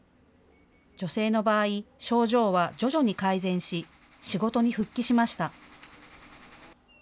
女性の場合、症状は徐々に改善し仕事に復帰しました。